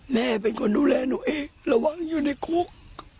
แม่เป็นคนดูแลหนูเองระวังอยู่ในคุก